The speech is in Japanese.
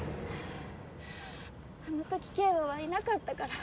あの時景和はいなかったから。